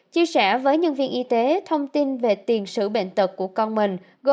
chia sẻ với nhân viên y tế thông tin về tiền sử bệnh tật của công